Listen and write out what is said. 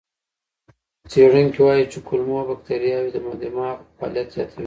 څېړونکي وایي چې کولمو بکتریاوې د دماغ فعالیت زیاتوي.